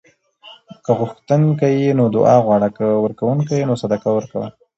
که غوښتونکی یې نو دعا غواړه؛ که ورکونکی یې نو صدقه ورکوه